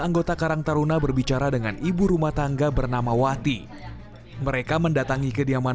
kata karangtaruna berbicara dengan ibu rumah tangga bernama wati mereka mendatangi kediaman